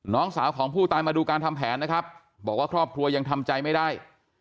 น้องสาวของผู้ตายมาดูการทำแผนนะครับบอกว่าครอบครัวยังทำใจไม่ได้